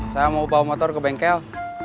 saya mau bawa motor ke bengkel